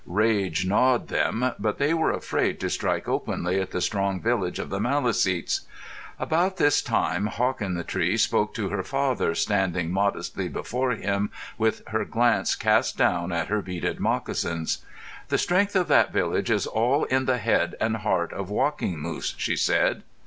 Rage gnawed them, but they were afraid to strike openly at the strong village of the Maliseets. About this time, Hawk in the Tree spoke to her father, standing modestly before him with her glance cast down at her beaded moccasins. "The strength of that village is all in the head and heart of Walking Moose," she said.